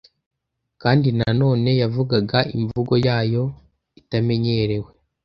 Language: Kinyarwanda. Kandi na none yavugaga imvugo yayo itamenyerewe--